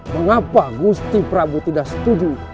mengapa gusti prabowo tidak setuju